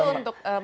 kopi kopi itu untuk